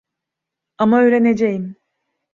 Ama öğreneceğim.